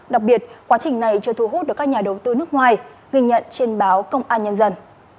đặc biệt quá trình này chưa thu hút được các nhà đầu tư nước ngoài ghi nhận trên báo công an nhân dân